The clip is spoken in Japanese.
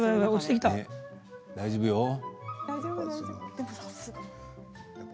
大丈夫よ。